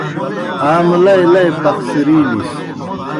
آ مُلئی لئی پَخڅِرِیلِس۔